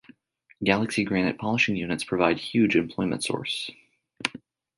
Galaxy Granite polishing units provide huge employment source.